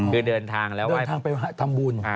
คือเดินทางเรียกโอเคเต็มบุญ